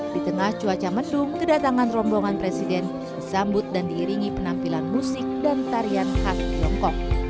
di tengah cuaca mendung kedatangan rombongan presiden disambut dan diiringi penampilan musik dan tarian khas tiongkok